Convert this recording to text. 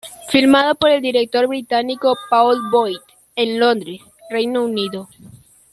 Filmado por el director británico Paul Boyd en Londres, Reino Unido.